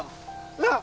なあ？